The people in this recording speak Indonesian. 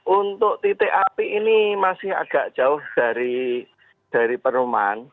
untuk titik api ini masih agak jauh dari perumahan